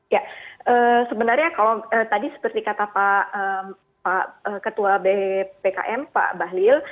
ya sebenarnya kalau tadi seperti kata pak ketua bpkm pak bahlil